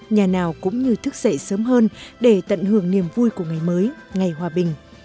nhà nào cũng như thức dậy sớm hơn để tận hưởng niềm vui của ngày mới ngày hòa bình